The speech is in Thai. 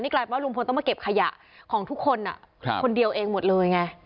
กลายเป็นว่าลุงพลต้องมาเก็บขยะของทุกคนคนเดียวเองหมดเลยไง